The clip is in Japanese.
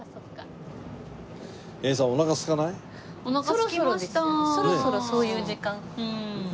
そろそろそういう時間ですよね？